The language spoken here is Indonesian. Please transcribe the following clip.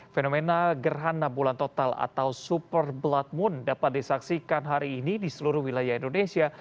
fenomena gerhana bulan total atau super blood moon dapat disaksikan hari ini di seluruh wilayah indonesia